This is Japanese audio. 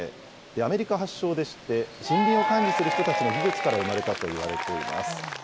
アメリカ発祥でして、森林を管理する人たちの技術から生まれたといわれています。